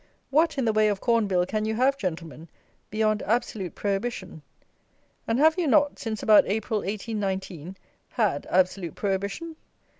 What, in the way of Corn Bill, can you have, Gentlemen, beyond absolute prohibition? And, have you not, since about April, 1819, had absolute prohibition?